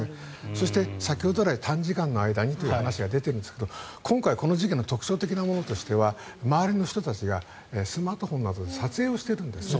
そして、先ほど来短時間の間にという話が出ているんですが今回この事件の特徴的なものとしては周りの人たちがスマートフォンなどで撮影をしてるんですよね。